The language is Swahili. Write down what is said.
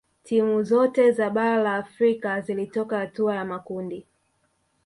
timu zote za bara la afrika zilitoka hatua ya makundi